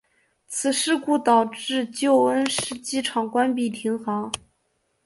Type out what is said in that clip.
此事故导致旧恩施机场关闭停航。